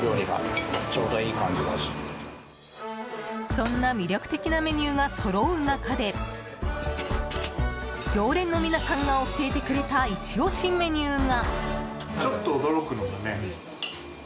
そんな魅力的なメニューがそろう中で常連の皆さんが教えてくれたイチ押しメニューが。